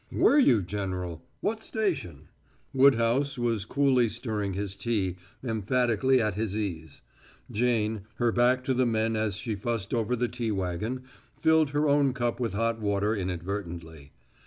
"Were you, General? What station?" Woodhouse was coolly stirring his tea, emphatically at his ease. Jane, her back to the men as she fussed over the tea wagon, filled her own cup with hot water inadvertently.